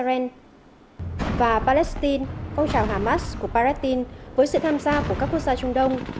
israel và palestine phong trào hamas của palestine với sự tham gia của các quốc gia trung đông